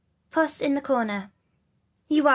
PUSS IN THE CORNER. " T T'OUa.re.